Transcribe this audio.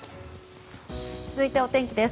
続いてお天気です。